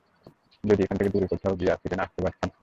যদি এখান থেকে দূরে কোথাও গিয়ে আর ফিরে না আসতে পারতাম?